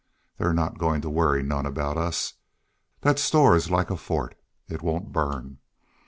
They're not goin' to worry none aboot us. Thet store is like a fort. It won't burn.